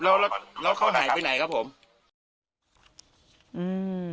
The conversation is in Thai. เดี๋ยวครับแล้วเขาหายไปไหนครับผม